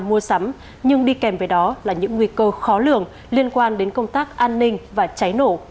mua sắm nhưng đi kèm với đó là những nguy cơ khó lường liên quan đến công tác an ninh và cháy nổ